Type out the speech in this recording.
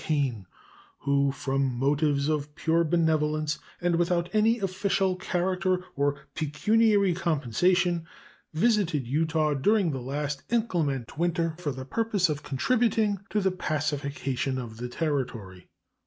Kane, who, from motives of pure benevolence and without any official character or pecuniary compensation, visited Utah during the last inclement winter for the purpose of contributing to the pacification of the Territory.